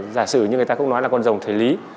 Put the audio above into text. giả sử như người ta cũng nói là con rồng thời lý